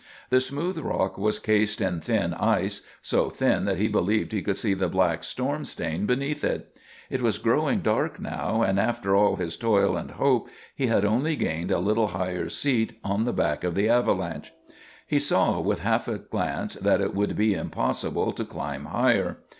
The smooth rock was cased in thin ice so thin that he believed he could see the black storm stain underneath. It was growing dark now, and after all his toil and hope he had only gained a little higher seat on the back of the avalanche. He saw with half a glance that it would be impossible to climb higher.